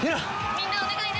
みんなをお願いね！